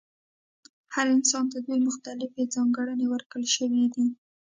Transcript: هر انسان ته دوه مختلفې ځانګړنې ورکړل شوې دي.